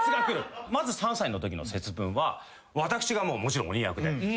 まず３歳のときの節分は私がもちろん鬼役で。